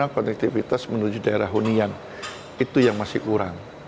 masih memilih kendaraan pribadi daripada transportasi umum